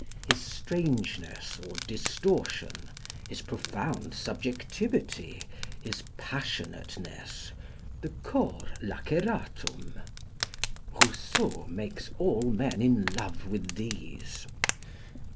His strangeness or distortion, his profound subjectivity, his passionateness the cor laceratum Rousseau makes all men in love with these.